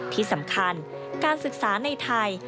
ที่สำคัญการศึกษาในไทย